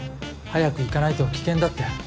早く行かないと危険だって。